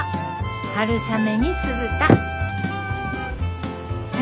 春雨に酢豚。え？